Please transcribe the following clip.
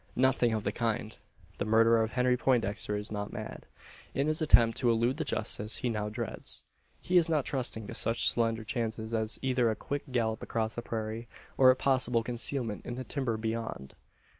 Nothing of the kind. The murderer of Henry Poindexter is not mad. In his attempt to elude the justice he now dreads, he is not trusting to such slender chances as either a quick gallop across the prairie, or a possible concealment in the timber beyond.